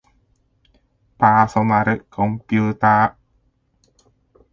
パーソナルコンピューター